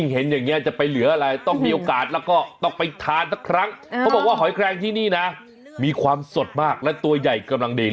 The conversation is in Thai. หอยแครงที่นี่นะมีความสดมากและตัวใหญ่กำลังเสร็จ